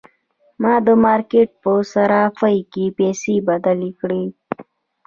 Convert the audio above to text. ما د مارکیټ په صرافۍ کې پیسې بدلې کړې.